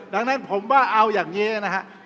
ดังนั้นผมว่าเอาอย่างนี้นะฮะ